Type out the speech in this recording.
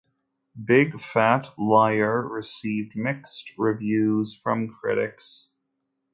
"Big Fat Liar" received mixed reviews from critics.